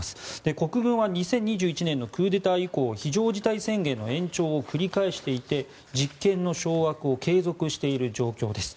国軍は２０２１年のクーデター以降非常事態宣言の延長を繰り返していて実権の掌握を継続している状況です。